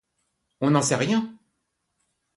On n’en sait rien.